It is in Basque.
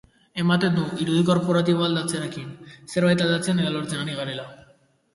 Ematen du, irudi korporatiboa aldatzearekin, zerbait aldatzen edo lortzen ari garela.